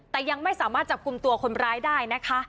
แต่ยังไม่สามารถจับกลุ่มตัวคนร้ายได้นะคะ